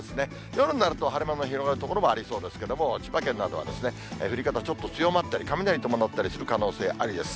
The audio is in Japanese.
夜になると、晴れ間の広がる所もありそうですけれども、千葉県などは降り方ちょっと強まったり、雷伴ったりする可能性ありです。